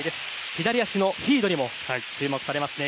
左足のフィードに注目されますね。